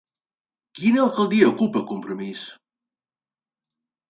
Quina alcaldia ocupa Compromís?